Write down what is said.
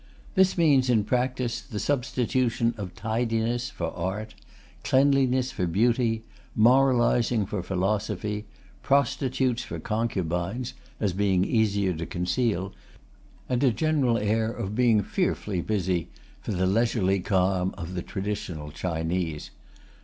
This means, in practice, the substitution of tidiness for art, cleanliness for beauty, moralizing for philosophy, prostitutes for concubines (as being easier to conceal), and a general air of being fearfully busy for the leisurely calm of the traditional Chinese.